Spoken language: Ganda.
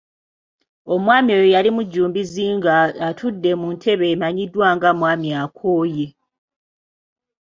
Omwami oyo yali mujjumbiizi ng'atudde mu ntebe emanyiddwa nga "mwami-akooye".